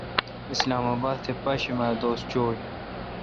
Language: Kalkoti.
اسلام اباد تھ پاشیمہ دوس چوں ۔